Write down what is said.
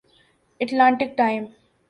Atlantic time